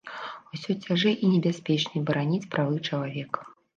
Усё цяжэй і небяспечней бараніць правы чалавека.